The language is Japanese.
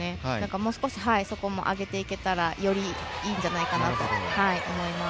もう少しそこも上げていけたらよりいいんじゃないかなと思います。